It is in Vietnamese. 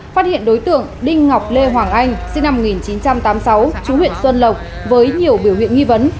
phát hiện đối tượng đinh ngọc lê hoàng anh sinh năm một nghìn chín trăm tám mươi sáu chú huyện xuân lộc với nhiều biểu hiện nghi vấn